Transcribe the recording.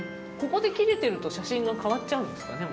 ここで切れてると写真が変わっちゃうんですかね